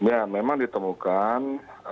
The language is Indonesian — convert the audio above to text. ya memang ditemukan